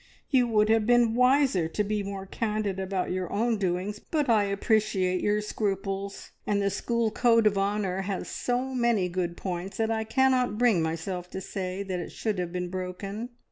You would have been wiser to be more candid about your own doings, but I appreciate your scruples, and the school code of honour has so many good points that I cannot bring myself to say that it should have been broken.